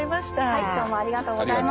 はいどうもありがとうございました。